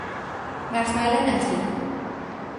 مخمل نخی